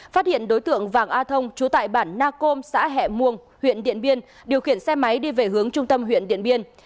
phát hiện đối tượng vàng a thông trú tại bản nacom xã hẻ muồng huyện điện biên điều khiển xe máy đi về hướng trung tâm huyện điện biên